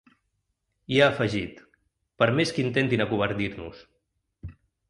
I ha afegit: ‘Per més que intentin acovardir-nos’.